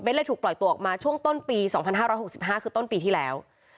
เลยถูกปล่อยตัวออกมาช่วงต้นปี๒๕๖๕คือต้นปีที่แล้ว